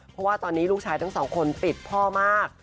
เพราะว่าตอนนี้ลูกชายทั้งสองคนติดพ่อมาก